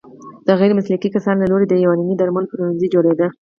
د غیرمسلکي کسانو له لوري د يوناني درملو د پلورنځيو جوړیدو